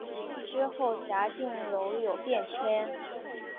之后辖境屡有变迁。